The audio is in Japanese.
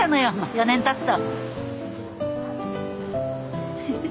４年たつと。